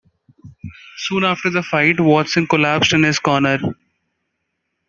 Soon after the fight Watson collapsed in his corner.